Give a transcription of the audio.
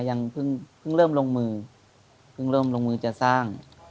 ยังเพิ่งเริ่มลงมือเพิ่งเริ่มลงมือจะสร้าง